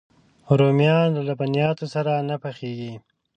رومیان له لبنیاتو سره نه پخېږي